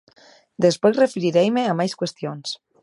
Despois referireime a máis cuestións.